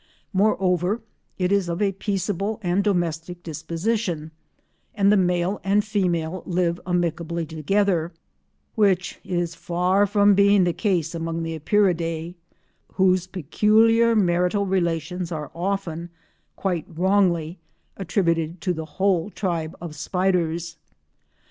Moreover it is of a peaceable and domestic disposition and the male and female live amicably together, which is far from being the case among the Epeiridae, whose peculiar marital relations are often—quite wrongly—attributed to the whole tribe of spiders.